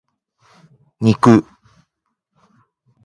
肉